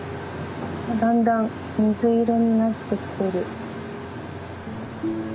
だんだん水色になってきてる。